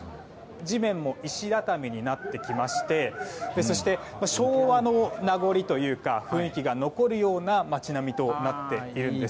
地面も石畳になってきまして昭和の名残といいますか雰囲気が残るような街並みとなっているんです。